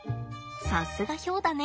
さすがヒョウだね。